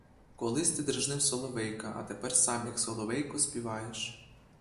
Колись ти дражнив соловейка, а тепер сам як соловейко співаєш.